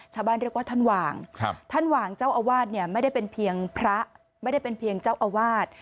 ชาวบ้านเรียกว่าท่านหว่างท่านหว่างเจ้าอาวาสเนี่ยไม่ได้เป็นเพียงพระไม่ได้เป็นเพียงเจ้าอาวาส